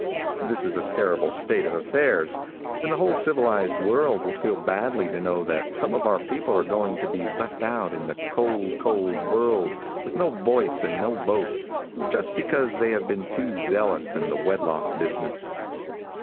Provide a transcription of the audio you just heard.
This is a terrible state of affairs, and the whole civilized world will feel badly to know that some of our people are going to be left out in the cold, cold world with no voice and no vote just because they have been too zealous in the wedlock business.